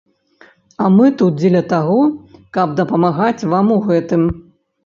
А мы тут дзеля таго, каб дапамагаць вам у гэтым.